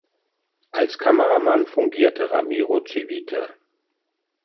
Als Kameramann fungierte Ramiro Civita.